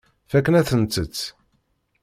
Fakken-akent-tt.